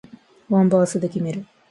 ワンバースで決める